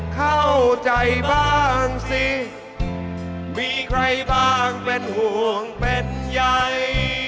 เข้าใจบ้างสิมีใครบ้างเป็นห่วงเป็นใย